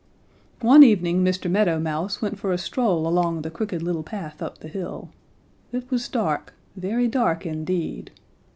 "One evening Mr. Meadow Mouse went for a stroll along the Crooked Little Path up the hill. It was dark, very dark indeed.